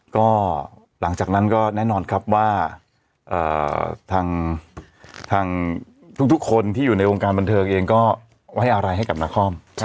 ก็หลังจากนั้นก็แน่นอนครับว่าทางทุกคนที่อยู่ในวงการบันเทิงเองก็ไว้อะไรให้กับนคร